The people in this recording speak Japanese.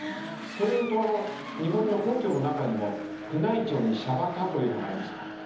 それでいうと日本の皇居の中にも宮内庁に車馬課というのがありますから。